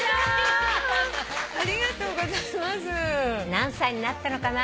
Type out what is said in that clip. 何歳になったのかな。